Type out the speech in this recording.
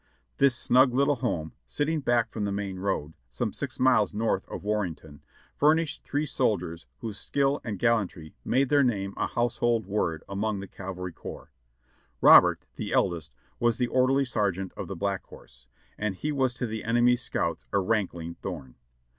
This snug little home, sitting back from the main road, some six miles north of Warrenton, furnished three soldiers whose skill and gallantry made their name a household word among the cavalry corps. Robert, the eldest, was the orderly sergeant of the Black Horse, and he was to the enemy's scouts a rankling thorn.